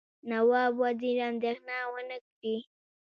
نواب وزیر اندېښنه ونه کړي.